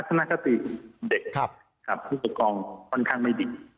ทนคติของเด็กกับผู้ปกครองค่อนข้างไม่ดี